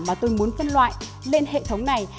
mà tôi muốn phân loại lên hệ thống này